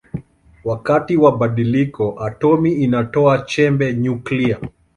Wakati wa badiliko atomi inatoa chembe nyuklia.